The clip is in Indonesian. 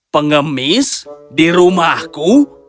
pengemis di rumahku